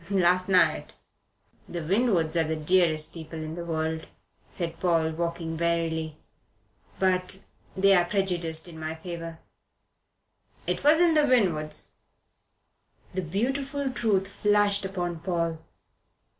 "Last night." "The Winwoods are the dearest people in the world," said Paul, walking warily, "but they are prejudiced in my favour." "It wasn't the Winwoods." The beautiful truth flashed upon Paul.